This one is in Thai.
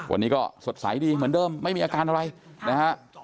วันนี้ก็สดใสดีเหมือนเดิมไม่มีอาการอะไรนะฮะ